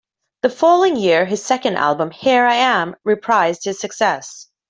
The following year, his second album "Here I Am" reprised this success.